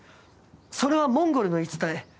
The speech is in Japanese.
それはモンゴルの言い伝え。